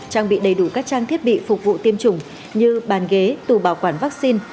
trang bị đầy đủ các trang thiết bị phục vụ tiêm chủng như bàn ghế tủ bảo quản vaccine